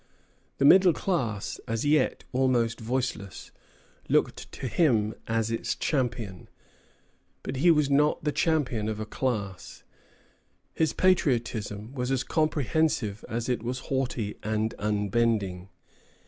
The middle class, as yet almost voiceless, looked to him as its champion; but he was not the champion of a class. His patriotism was as comprehensive as it was haughty and unbending.